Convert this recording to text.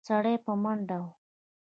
سړی په منډه و.